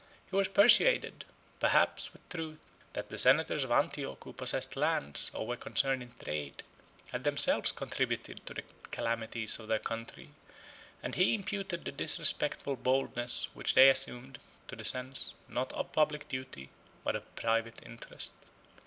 He was persuaded, perhaps with truth, that the senators of Antioch who possessed lands, or were concerned in trade, had themselves contributed to the calamities of their country; and he imputed the disrespectful boldness which they assumed, to the sense, not of public duty, but of private interest.